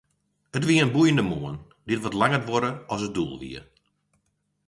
It wie in boeiende moarn, dy't wat langer duorre as it doel wie.